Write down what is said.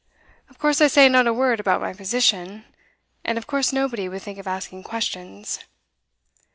Of course I say not a word about my position, and of course nobody would think of asking questions.